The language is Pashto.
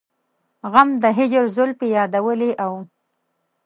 غم د هجر زلفې يادولې او